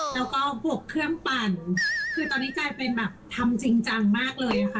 แล้วก็บวกเครื่องปั่นคือตอนนี้กลายเป็นแบบทำจริงจังมากเลยค่ะ